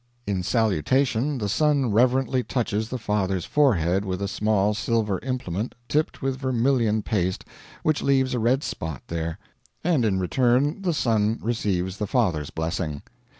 In salutation the son reverently touches the father's forehead with a small silver implement tipped with vermillion paste which leaves a red spot there, and in return the son receives the father's blessing.